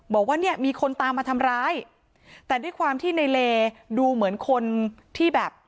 บอกว่าเนี่ยมีคนตามมาทำร้ายแต่ด้วยความที่ในเลดูเหมือนคนที่แบบ